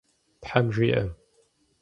Тхьэм жиӏэ!